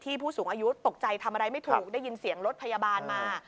ผู้สูงอายุตกใจทำอะไรไม่ถูกได้ยินเสียงรถพยาบาลมา